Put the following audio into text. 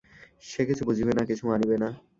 সে কিছু বুঝিবে না, কিছু মানিবে না।